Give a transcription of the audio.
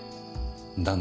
だな。